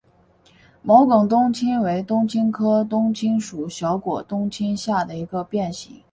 毛梗冬青为冬青科冬青属小果冬青下的一个变型。